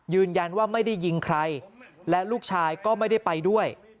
ยืนยันว่าไม่ได้ยิงใครและลูกชายก็ไม่ได้ไปด้วย